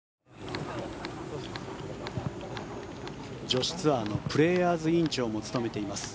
女子ツアーのプレーヤーズ委員長も務めています